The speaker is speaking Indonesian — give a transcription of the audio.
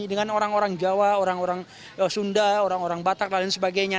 dengan orang orang jawa orang orang sunda orang orang batak dan lain sebagainya